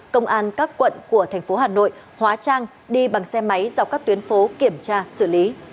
công an các quận của thành phố hà nội hóa trang đi bằng xe máy dọc các tuyến phố kiểm tra xử lý